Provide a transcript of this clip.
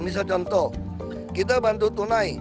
misal contoh kita bantu tunai